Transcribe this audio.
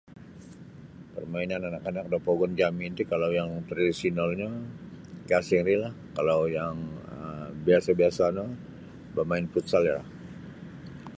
Permainan anak-anak do pogun jami ti kalau yang tradisionalnyo gasing ri lah kalau yang biasa-biasa no bamain futsal iro.